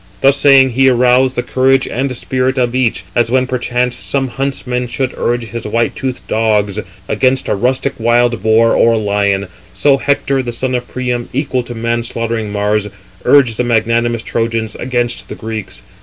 Thus saying, he aroused the courage and spirit of each. As when perchance some huntsman should urge his white toothed dogs against a rustic wild boar or lion; so Hector, the son of Priam, equal to man slaughtering Mars, urged the magnanimous Trojans against the Greeks.